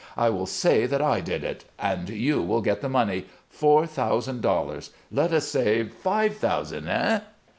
I will say that I did it; and you will get the money four thousand dollars. Let us say five thousand, eh?